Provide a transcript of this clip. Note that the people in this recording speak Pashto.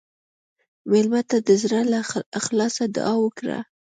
مېلمه ته د زړه له اخلاصه دعا وکړه.